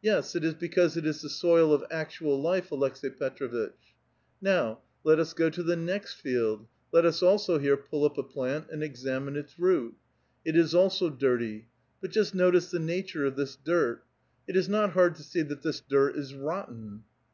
Yes, it is because it is the soil of actual life, Aleks^i retr6vitch." " Now let us go to the next field ; let us also here pull up a plant, and examine its ix>ot. It is also dirty. But just notice the nature of this dirt. It is not hard to see that this dirt is rotten."